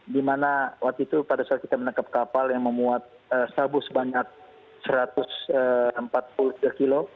di mana waktu itu pada saat kita menangkap kapal yang memuat sabu sebanyak satu ratus empat puluh tiga kilo